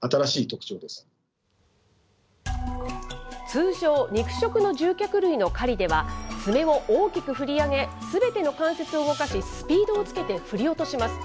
通常、肉食の獣脚類の狩りでは、爪を大きく振り上げ、すべての関節を動かし、スピードをつけて振り落とします。